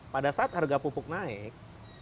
pada saat harga pupuk naik